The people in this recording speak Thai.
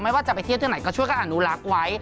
ว่าจะไปเที่ยวที่ไหนก็ช่วยกันอนุรักษ์ไว้